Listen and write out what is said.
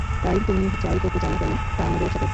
তাই তুমি যাই করতে চাও না কেন, তা আমরা একসাথে করব।